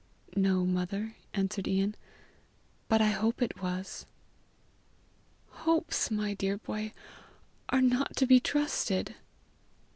"No, mother," answered Ian, "but I hope it was." "Hopes, my dear hoy, are not to be trusted."